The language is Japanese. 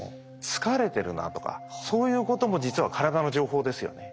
疲れてるなとかそういうことも実は体の情報ですよね。